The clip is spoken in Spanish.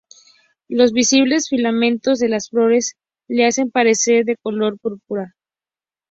Los visibles filamentos de las flores le hacen parecer de color púrpura.